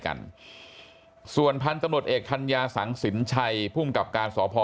กันส่วนพันธุ์ตำรวจเอกธัญญาสังฆ์ศิลป์ชัยพุ่งกับการสอบพอ